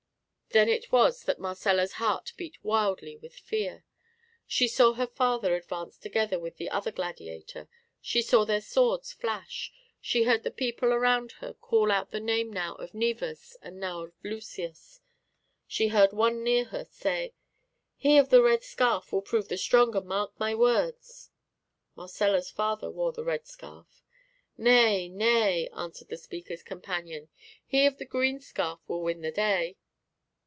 Then it was that Marcella's heart beat wildly with fear. She saw her father advance together with the other gladiator; she saw their swords flash; she heard the people around her call out the name now of Naevus, and now of Lucius; she heard one near her say: "He of the red scarf will prove the stronger mark my words." Marcella's father wore the red scarf, "Nay, nay," answered the speaker's companion. "He of the green scarf will win the day."